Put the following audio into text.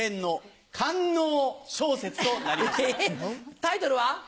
タイトルは？